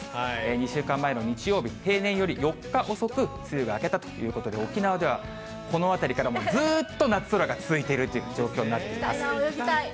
２週間前の日曜日、平年より４日遅く梅雨が明けたということで、沖縄ではこのあたりからもうずっと夏空が続いているという状況に泳ぎたい。